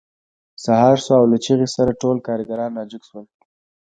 سهار شو او له چیغې سره ټول کارګران راجګ شول